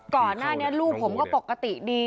ก่อนหน้าหน่าลูกผมปกติดี